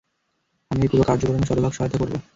আমি এই পুরো কার্যক্রমে শতভাগ সহায়তা করব।